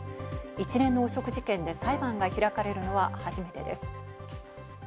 一連の汚職事件で裁判が開かれるのは初めてです。